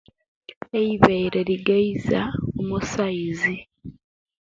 Eyibere rigeiza omusaaizi